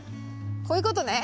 こういうことね。